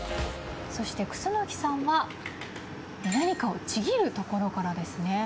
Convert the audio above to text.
そして楠さんは何かをちぎるところからですね。